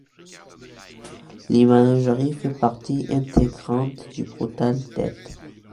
L’imagerie fait partie intégrante du brutal death.